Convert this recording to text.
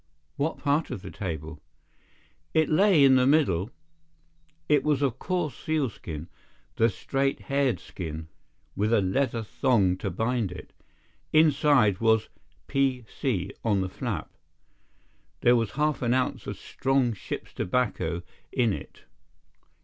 "What part of the table?" "It lay in the middle. It was of coarse sealskin—the straight haired skin, with a leather thong to bind it. Inside was 'P.C.' on the flap. There was half an ounce of strong ship's tobacco in it."